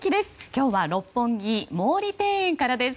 今日は六本木毛利庭園からです。